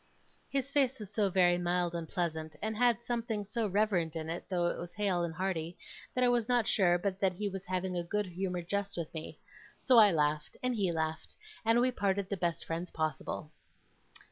His face was so very mild and pleasant, and had something so reverend in it, though it was hale and hearty, that I was not sure but that he was having a good humoured jest with me. So I laughed, and he laughed, and we parted the best friends possible.